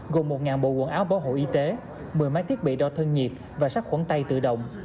gồm một bộ quần áo bảo hộ y tế một mươi máy thiết bị đo thân nhiệt và sát khuẩn tay tự động